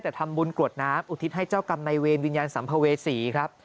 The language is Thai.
แต่ทำบุญกรวดน้ำอุทิศให้เจ้ากรรมในเวรวิญญาณสัมภเวษีครับ